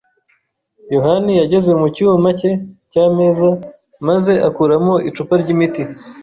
yohani yageze mu cyuma cye cyameza maze akuramo icupa ryimiti.